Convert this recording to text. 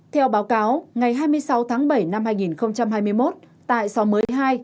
theo báo cáo ngày hai mươi sáu tháng bảy năm hai nghìn hai mươi một tại xóm mới hai